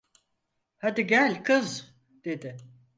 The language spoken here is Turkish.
Hadi gel, kız! dedi.